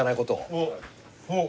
おっ。